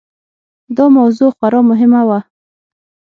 دا موضوع خورا مهمه وه.